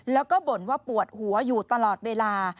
แล้วก็บ่นว่าปวดหัวอยู่ตลอดเวลา